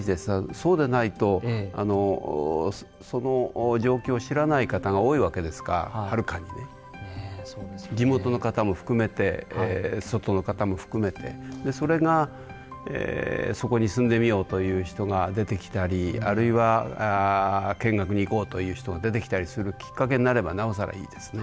そうでないとその状況を知らない方が多いわけですからはるかにね。地元の方も含めて外の方も含めてそれがそこに住んでみようという人が出てきたりあるいは見学に行こうという人が出てきたりするきっかけになればなおさらいいですね。